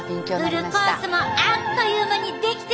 フルコースもあっという間に出来てまうで！